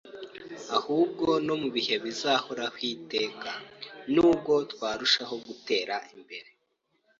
ahubwo no mu bihe bizahoraho iteka; nubwo twarushaho gutera imbere